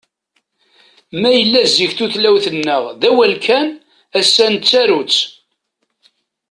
Ma yella zik tutlayt-nneɣ d awal kan, ass-a nettaru-tt.